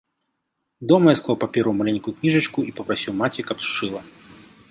Дома я склаў паперу ў маленькую кніжачку і папрасіў маці, каб сшыла.